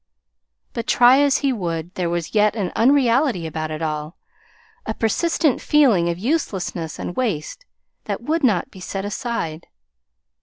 But, try as he would, there was yet an unreality about it all, a persistent feeling of uselessness and waste, that would not be set aside.